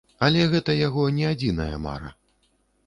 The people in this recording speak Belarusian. Але гэта яго не адзіная мара.